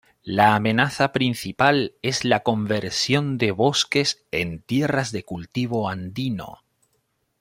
La amenaza principal es la conversión de bosques en tierras de cultivo andino.